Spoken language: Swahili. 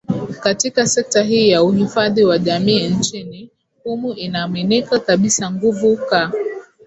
katika sekta hii ya uhifadhi wa jamii nchini humu inaaminika kabisa nguvu ka